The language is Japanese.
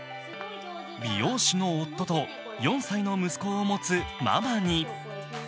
美容師の夫と４歳の息子を持つママに。